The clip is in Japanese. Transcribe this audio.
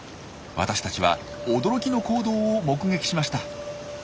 私たちは驚きの行動を目撃しました。